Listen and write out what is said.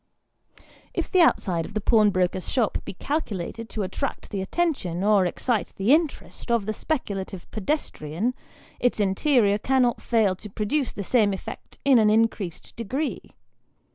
If the outside of the pawnbroker's shop be calculated to attract the attention, or excite the interest, of the speculative pedestrian, its interior cannot fail to produce the same effect in an increased degree.